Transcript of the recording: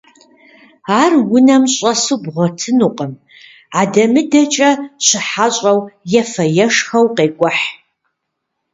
Ар унэм щӏэсу бгъуэтынукъым, адэмыдэкӏэ щыхьэщӏэу, ефэ-ешхэу къекӏухь.